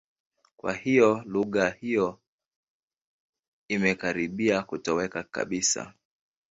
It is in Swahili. Kwa hiyo, lugha hiyo imekaribia kutoweka kabisa.